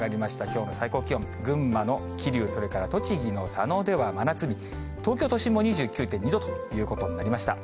きょうの最高気温、群馬の桐生、それから栃木の佐野では真夏日、東京都心も２９．２度ということになりました。